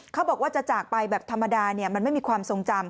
เขาบอกว่าจะจากไปแบบธรรมดามันไม่มีความทรงจำ